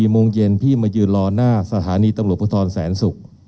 ๔โมงเย็นพี่มายืนรอหน้าสถานีตำรวจพศศ